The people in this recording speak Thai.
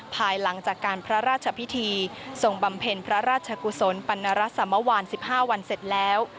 ภายหลังจากการพระราชพิธีทรงบำเพ็ญพระราชกุศลปรณรสมวาน๑๕วันเสร็จแล้ว